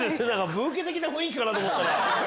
ブーケ的な雰囲気かと思ったら。